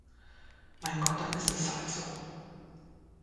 Mein Gott, dann ist es halt so!